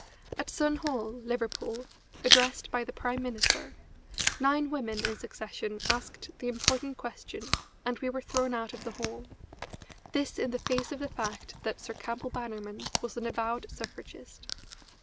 At Sun Hall, Liverpool, addressed by the Prime Minister, nine women in succession asked the important question, and were thrown out of the hall; this in the face of the fact that Sir Campbell Bannerman was an avowed suffragist.